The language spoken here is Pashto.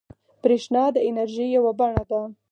برېښنا د انرژۍ یوه بڼه ده.